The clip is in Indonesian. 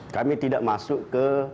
kami tidak masuk ke